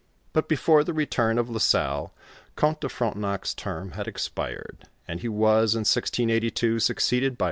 But before the return of La Salle, Comte de Frontenac's term had expired, and he was, in 1682, succeeded by M.